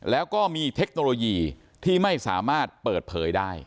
แล้วก็มีเทคโนโลยีที่ไม่สามารถเปิดเผยได้